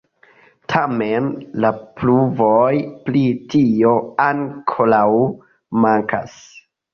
Tamen, la pruvoj pri tio ankoraŭ mankas.